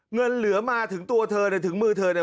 เงินเหลือมาถึงตัวเธอเนี่ยถึงมือเธอเนี่ย